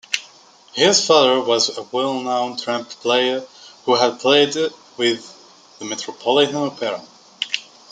His father was a well-known trumpet player who had played with the Metropolitan Opera.